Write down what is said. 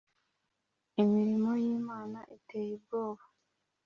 Imirimo y Imana iteye ubwoba